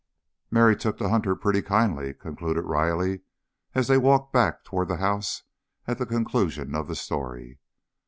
"Mary took to Hunter pretty kindly," concluded Riley, as they walked back toward the house at the conclusion of the story.